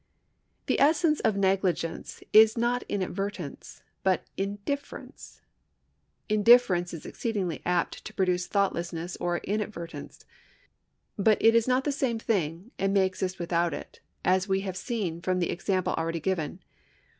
The essence of negli gence is not inadvertence but indijference. Indifference is exceedingly apt to produce thoughtlessness or inadvertence ; but it is not the same thing, and may exist without it, as we have seen from the example already given.